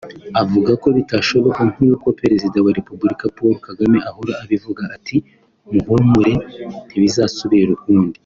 avuga ko bitashoboka nkuko Perezida wa Repubulika Paul Kagame ahora abivuga ati “Muhumure Ntibizasubira ukundi”